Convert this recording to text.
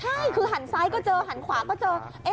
ใช่คือหันซ้ายก็เจอหันขวาก็เจอ